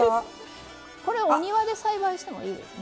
これお庭で栽培してもいいですね。